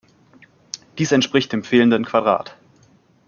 Dies entspricht dem fehlenden Quadrat.